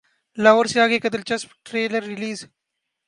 لاہور سے اگے کا دلچسپ ٹیزر ریلیز